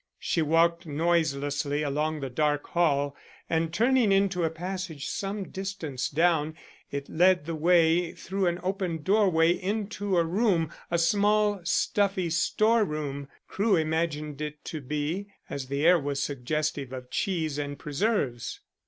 She walked noiselessly along the dark hall, and turning into a passage some distance down it led the way through an open doorway into a room a small and stuffy storeroom, Crewe imagined it to be, as the air was suggestive of cheese and preserves.